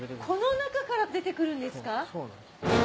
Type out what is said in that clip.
この中から出てくるんですか？